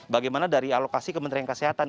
bagaimana dari alokasi kementerian kesehatan